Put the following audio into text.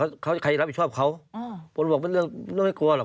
เขาใครรับผิดชอบเขาคนบอกเป็นเรื่องไม่กลัวหรอก